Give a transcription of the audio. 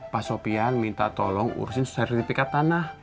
pak sopian minta tolong urusin sertifikat tanah